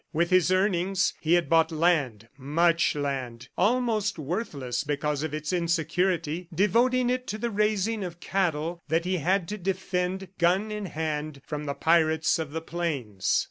With his earnings, he had bought land, much land, almost worthless because of its insecurity, devoting it to the raising of cattle that he had to defend, gun in hand, from the pirates of the plains.